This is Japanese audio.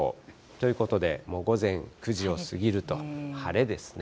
ということで、午前９時を過ぎると晴れですね。